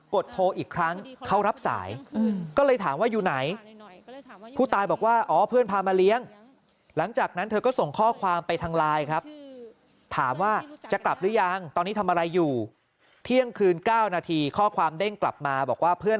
กดโทรอีกครั้งเข้ารับสายก็เลยถามว่าอยู่ไหนผู้ตายบอกว่าอ้อเพื่อน